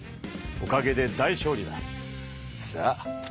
おかげで大勝利だ。さあ。